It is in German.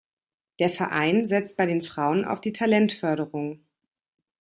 Der Verein setzt bei den Frauen auf die Talentförderung.